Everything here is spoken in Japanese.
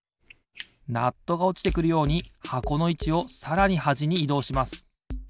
ナットがおちてくるように箱のいちをさらにはじにいどうします。